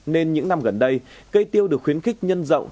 nên những năm gần đây cây tiêu được khuyến khích nhân rộng